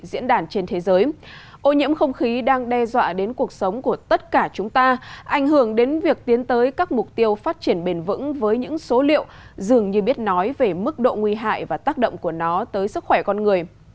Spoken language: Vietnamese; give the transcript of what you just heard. diễn đàn trên thế giới ô nhiễm không khí đang đe dọa đến cuộc sống của tất cả chúng ta ảnh hưởng đến việc tiến tới các mục tiêu phát triển bền vững với những số liệu dường như biết nói về mức độ nguy hại và tác động của nó tới sức khỏe con người